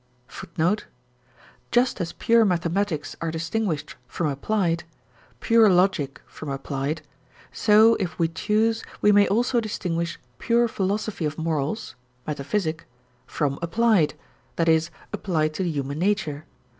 * Just as pure mathematics are distinguished from applied, pure logic from applied, so if we choose we may also distinguish pure philosophy of morals (metaphysic) from applied (viz., applied to human nature).